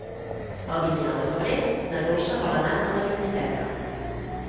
El vint-i-nou de febrer na Dolça vol anar a la biblioteca.